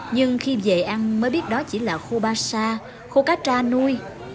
nhưng khi về ăn mới biết đó chỉ là khô ba sa khô cá tra nuôi